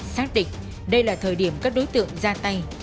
xác định đây là thời điểm các đối tượng ra tay